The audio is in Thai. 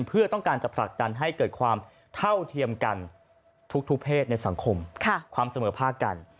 เพื่อต้องการจะผลักดันให้เกิดความเท่าเทียมกันทุกเพศในสังคมความเสมอภาคกัน